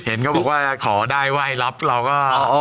เห็นเขาบอกว่าขอได้ไหว้รับเราก็